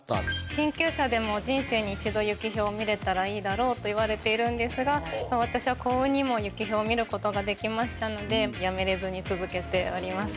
研究者でも人生に１度ユキヒョウを見られたらいいだろうといわれているんですが、私は幸運にもユキヒョウを見ることができましたので、やめれずに続けております。